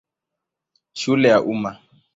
Shule ya Umma.